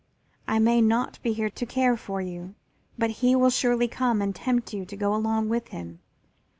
I may not be here to care for you, but he will surely come and tempt you to go along with him.